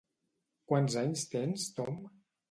Quants anys tens, Tom?